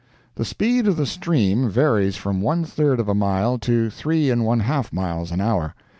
The speed of the Stream varies from one third of a mile to three and one half miles an hour.